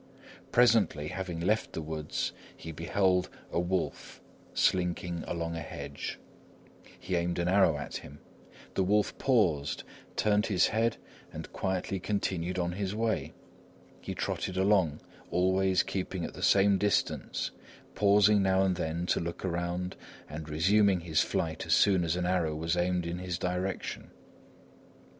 Presently, having left the woods, he beheld a wolf slinking along a hedge. He aimed an arrow at him. The wolf paused, turned his head and quietly continued on his way. He trotted along, always keeping at the same distance, pausing now and then to look around and resuming his flight as soon as an arrow was aimed in his direction.